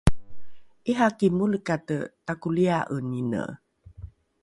’iraki molekate takolia’enine